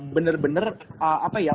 benar benar apa ya